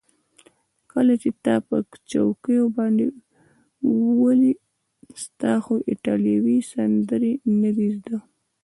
کله چې تا په چوکیو باندې وولي، ستا خو ایټالوي سندرې نه دي زده.